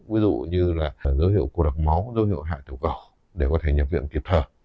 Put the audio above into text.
ví dụ như là dấu hiệu cổ đặc máu dấu hiệu hại tiểu cầu để có thể nhập viện kịp thở